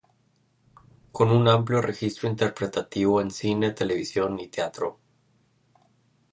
Con un amplio registro interpretativo en Cine, Televisión y Teatro.